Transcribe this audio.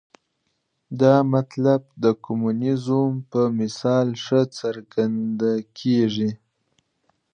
دا مطلب د کمونیزم په مثال ښه څرګندېږي.